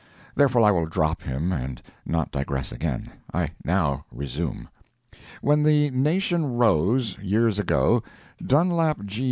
Therefore I will drop him and not digress again. I now resume. When the nation rose, years ago, Dunlap G.